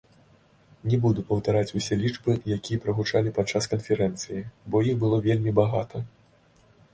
Не буду паўтараць усе лічбы, якія прагучалі падчас канферэнцыі, бо іх было вельмі багата.